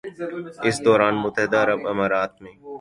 اس دوران متحدہ عرب امارات میں